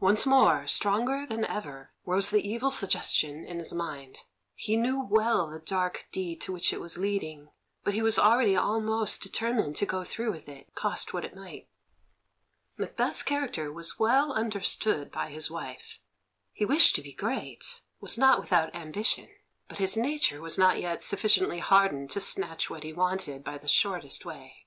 Once more, stronger than ever, rose the evil suggestion in his mind. He knew well the dark deed to which it was leading, but he was already almost determined to go through with it, cost what it might. Macbeth's character was well understood by his wife. He wished to be great, was not without ambition, but his nature was not yet sufficiently hardened to snatch what he wanted by the shortest way.